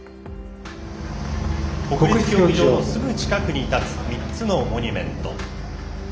国立競技場のすぐ近くにたつ３つのモニュメント。